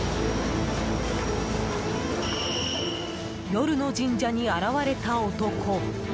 夜の神社に現れた男。